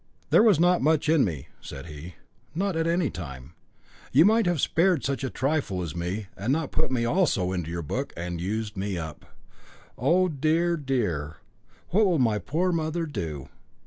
"There was not much in me," said he, "not at any time. You might have spared such a trifle as me, and not put me also into your book and used me up. Oh, dear, dear! what will my poor mother do!